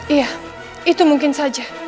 iya itu mungkin saja